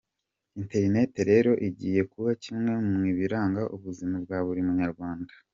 Internet rero igiye kuba kimwe mu biranga ubuzima bwa buri munyarwanda.